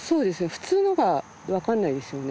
普通のがわかんないですよね。